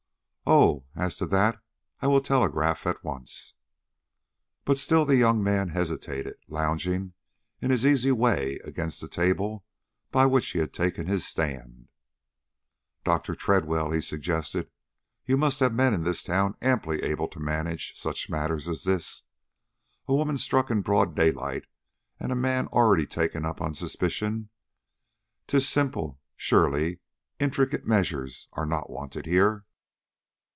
"Oh, as to that, I will telegraph at once." But still the young man hesitated, lounging in his easy way against the table by which he had taken his stand. "Dr. Tredwell," he suggested, "you must have men in this town amply able to manage such a matter as this. A woman struck in broad daylight and a man already taken up on suspicion! 'Tis simple, surely; intricate measures are not wanted here."